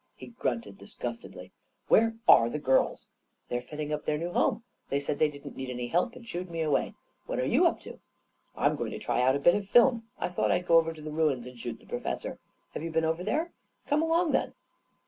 He grunted disgustedly. 41 Where are the girls?" " They are fitting up their new home. They said they didn't need any help, and shooed me away. What are you up to? "" I'm going to try out a bit of film. I thought I'd go over to the ruins and shoot the professor. Have you been over there? Come along, then."